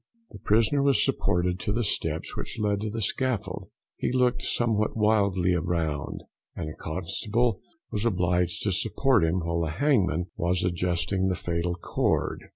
The prisoner was supported to the steps which led to the scaffold; he looked somewhat wildly around, and a constable was obliged to support him while the hangman was adjusting the fatal cord.